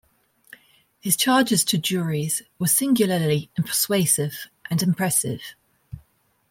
His charges to juries were singularly persuasive and impressive.